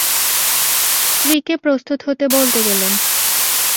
স্ত্রীকে প্রস্তুত হতে বলতে গেলুম।